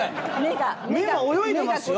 目が泳いでますよ！